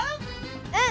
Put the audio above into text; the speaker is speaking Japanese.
うん！